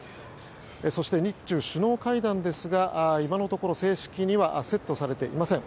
そして日中首脳会談ですが今のところ正式にはセットされていません。